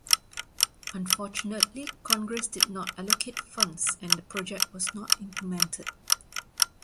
Unfortunately, Congress did not allocate funds and the project was not implemented.